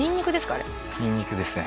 あれニンニクですね